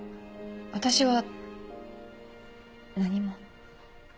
私は何も。